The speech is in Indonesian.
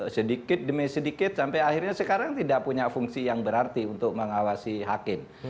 sedikit demi sedikit sampai akhirnya sekarang tidak punya fungsi yang berarti untuk mengawasi hakim